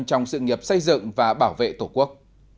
trong sự nghiệp xây dựng và bảo vệ tổ quốc